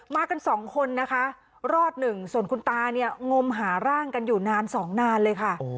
กันสองคนนะคะรอดหนึ่งส่วนคุณตาเนี่ยงมหาร่างกันอยู่นานสองนานเลยค่ะ